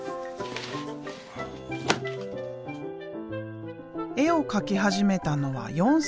絵を描き始めたのは４歳の頃。